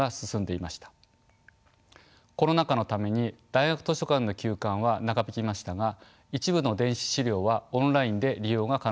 コロナ禍のために大学図書館の休館は長引きましたが一部の電子資料はオンラインで利用が可能でした。